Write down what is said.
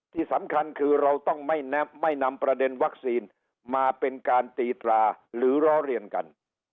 ที่สำคัญคือเราต้องไม่นำประเด็นวัคซีนมาเป็นการตีตราหรือล้อเรียนกัน